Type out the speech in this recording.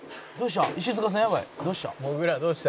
「どうした？